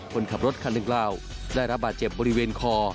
คนขับรถคันดังกล่าวได้รับบาดเจ็บบริเวณคอ